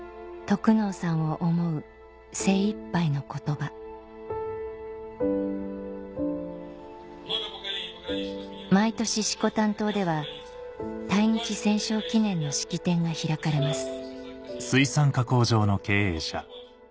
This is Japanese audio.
得能さんを思う精いっぱいの言葉毎年色丹島では対日戦勝記念の式典が開かれます